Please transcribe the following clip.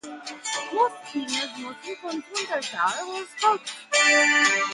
Moth bean is mostly consumed as dhal or sprouts.